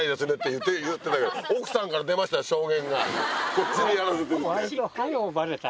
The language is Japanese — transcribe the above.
こっちにやらせてるって。